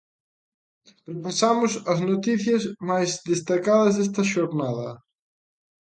Repasamos as noticias máis destacadas desta xornada.